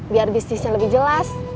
biar bisnisnya lebih jelas